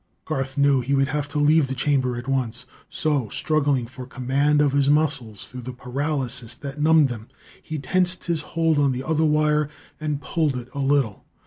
Garth knew he would have to leave the chamber at once; so, struggling for command of his muscles through the paralysis that numbed them, he tensed his hold on the other wire and pulled it a little.